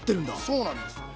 そうなんですよ。